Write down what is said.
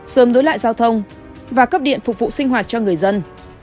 sớm nối lại giao thông và cấp điện phục vụ sinh hoạt cho người dân